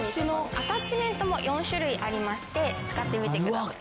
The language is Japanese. アタッチメントも４種類ありまして使ってみてください。